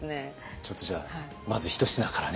ちょっとじゃあまずひと品からね。